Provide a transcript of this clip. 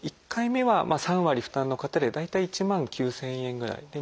１回目は３割負担の方で大体１万９，０００円ぐらい。